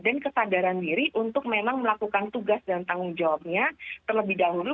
dan kesadaran diri untuk memang melakukan tugas dan tanggung jawabnya terlebih dahulu